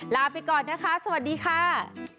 ลาไปก่อนนะคะสวัสดีค่ะ